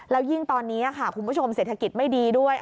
แล้วยิ่งตอนนี้ค่ะคุณผู้ชมเศรษฐกิจไม่ดีด้วย